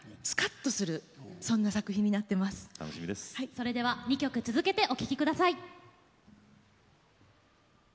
それでは２曲続けてお聴きください。